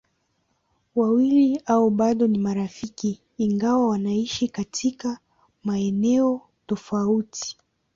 Wawili hao bado ni marafiki ingawa wanaishi katika maeneo tofauti.